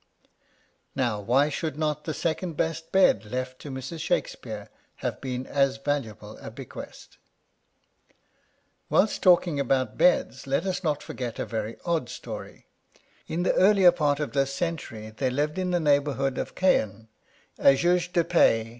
Now why should not the second best bed left to Mrs. Shakespeare have been as valuable a bequest ? Whilst talking about beds, let us not forget a very odd story. In the earlier part of this century, there lived in the neighbourhood of Caen, in Normandy, a Juge de Paix, M.